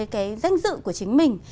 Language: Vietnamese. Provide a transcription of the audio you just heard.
cái danh dự của chính mình